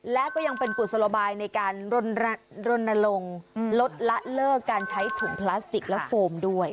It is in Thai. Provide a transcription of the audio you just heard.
และก็ยังเป็นกุศโลบายในการรณรงค์ลดละเลิกการใช้ถุงพลาสติกและโฟมด้วย